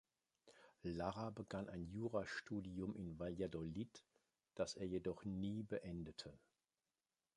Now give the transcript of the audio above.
Larra begann ein Jurastudium in Valladolid, das er jedoch nie beendete.